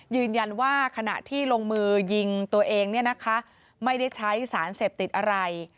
ยืนยันว่าขณะที่ลงมือยิงตัวเองเนี่ยนะคะไม่ได้ใช้สารเสพติดอะไร